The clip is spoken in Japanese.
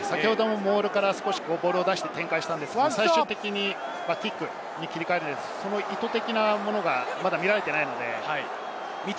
モールから少しボールを出して展開したのですが、最終的にキックに切り替えたのでその意図的なものがまだ見られていません。